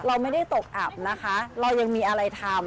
เราไม่ได้ตกอับนะคะเรายังมีอะไรทำ